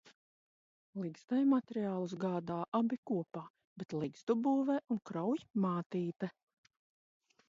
Ligzdai materiālus gādā abi kopā, bet ligzdu būvē un krauj mātīte.